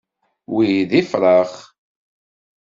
Wi d ifṛax.